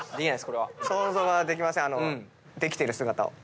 想像ができませんできてる姿を。